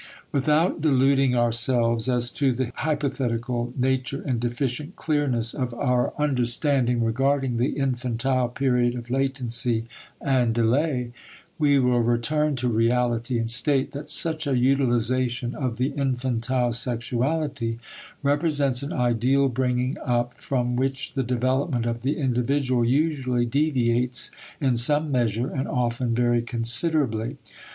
* Without deluding ourselves as to the hypothetical nature and deficient clearness of our understanding regarding the infantile period of latency and delay, we will return to reality and state that such a utilization of the infantile sexuality represents an ideal bringing up from which the development of the individual usually deviates in some measure and often very considerably.